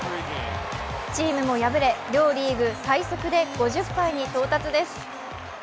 チームも敗れ両リーグ最速で５０敗に到達です。